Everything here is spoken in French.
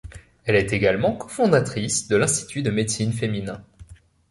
Elle est également co-fondatrice de l'Institut de médecine féminin.